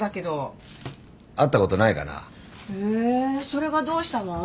それがどうしたの？